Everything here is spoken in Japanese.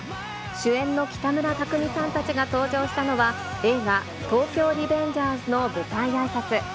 主演の北村匠海さんたちが登場したのは、映画、東京リベンジャーズの舞台あいさつ。